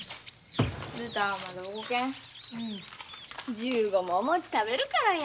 １５もお餅食べるからや。